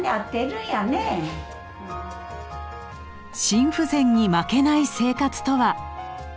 心不全に負けない生活とは。